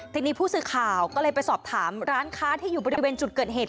ทีนี้ผู้สื่อข่าวก็เลยไปสอบถามร้านค้าที่อยู่บริเวณจุดเกิดเหตุ